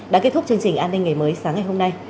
đã kết thúc chương trình an ninh ngày mới sáng ngày hôm nay